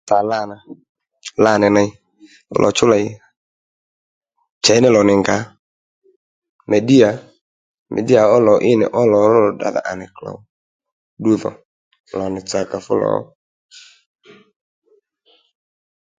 Tà lâ la nì ney fú lò chú lêy chěy ní lò nì ngǎ medíya, medíya ó lò í nì ó lò ró lò tdràdha à nì klǒw ddu dhò lònì tsàkà fú lò ó